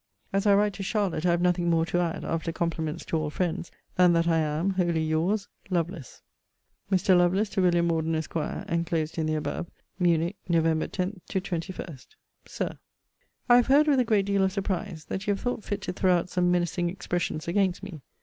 As I write to Charlotte I have nothing more to add, after compliments to all friends, than that I am Wholly your's, LOVELACE. MR. LOVELACE, TO WILLIAM MORDEN, ESQ. [ENCLOSED IN THE ABOVE.] MUNICH, NOV. 10 21. SIR, I have heard, with a great deal of surprise, that you have thought fit to throw out some menacing expressions against me.